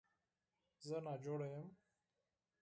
زه ناجوړه یم Self Citation